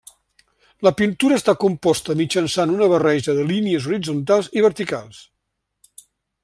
La pintura està composta mitjançant una barreja de línies horitzontals i verticals.